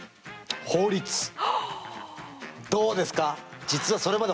どうですか？